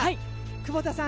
久保田さん